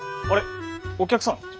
あれお客さん？